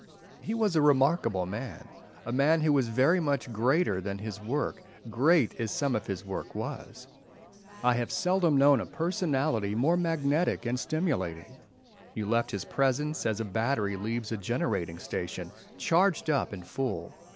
He was a remarkable man, a man who was very much greater than his work, great as some of his work was. I have seldom known a personality more magnetic and stimulating. You left his presence, as a battery leaves a generating station, charged up and full.